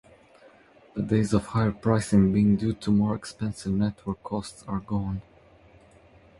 The days of higher pricing being due to more expensive network costs are gone.